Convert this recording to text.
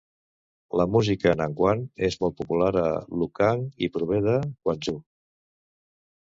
La música nanguan és molt popular a Lukang i prové de Quanzhou.